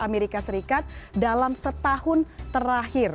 amerika serikat dalam setahun terakhir